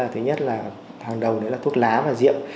thứ nhất là hàng đầu là thuốc lá và diệm